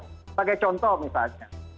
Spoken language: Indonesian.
sebagai contoh misalnya